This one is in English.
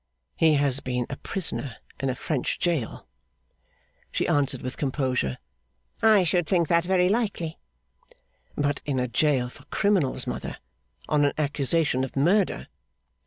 'He has been a prisoner in a French gaol.' She answered with composure, 'I should think that very likely.' 'But in a gaol for criminals, mother. On an accusation of murder.